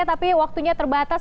tapi waktunya terbatas